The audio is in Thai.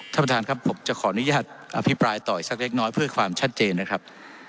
ท่านประธานครับผมจะขออนุญาตอภิปรายต่ออีกสักเล็กน้อยเพื่อความชัดเจนนะครับ